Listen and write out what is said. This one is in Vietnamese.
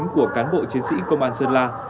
của cán bộ chiến sĩ công an sơn la